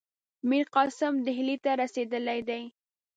میرقاسم ډهلي ته رسېدلی دی.